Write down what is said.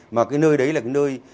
mà cái nơi đấy là cái nơi